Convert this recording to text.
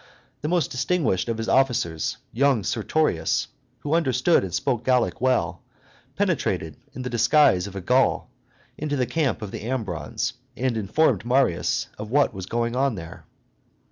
The most distinguished of his officers, young Sertorius, who understood and spoke Gallic well, penetrated, in the disguise of a Gaul, into the camp of the Ambrons, and informed Marius of what was going on there.